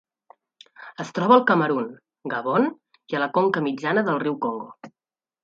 Es troba al Camerun, Gabon i a la conca mitjana del riu Congo.